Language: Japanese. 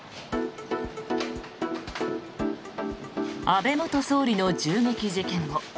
安倍元総理の銃撃事件後